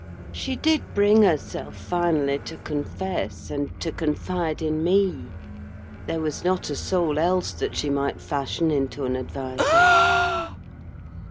She did bring herself, finally, to confess, and to confide in me: there was not a soul else that she might fashion into an adviser.